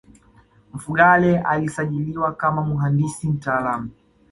Mfugale alisajiliwa kama muhandisi mtaalamu